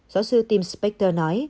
giáo sư tim spector nói